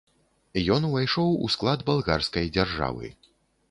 Ён увайшоў у склад балгарскай дзяржавы.